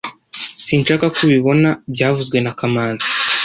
Sinshaka ko ubibona byavuzwe na kamanzi